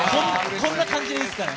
こんな感じいいんですかね？